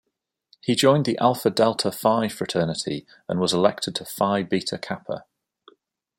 He joined the Alpha Delta Phi fraternity, and was elected to Phi Beta Kappa.